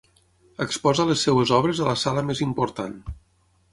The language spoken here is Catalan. Exposa les seves obres a la sala més important.